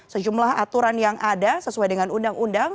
sejumlah aturan yang ada sesuai dengan undang undang